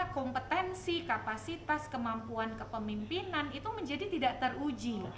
kompetensi kapasitas kemampuan kepemimpinan itu menjadi tidak teruji